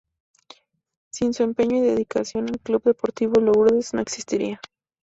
Sin su empeño y dedicación el Club Deportivo Lourdes no existiría.